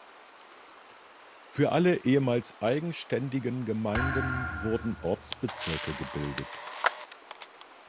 Für alle ehemals eigenständigen Gemeinden wurden Ortsbezirke gebildet.